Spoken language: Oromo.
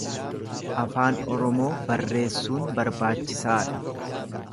Afaan Oromoo barreessuun barbaachisaa dha.